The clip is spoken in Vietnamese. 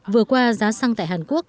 vừa qua giá sang tại hàn quốc